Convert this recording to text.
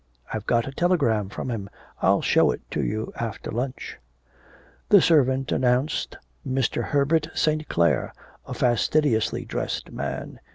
I've got a telegram from him, I'll show it to you after lunch.' The servant announced Mr. Herbert St. Clare, a fastidiously dressed man.